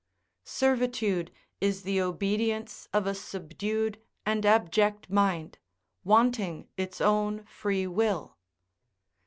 ["Servitude is the obedience of a subdued and abject mind, wanting its own free will."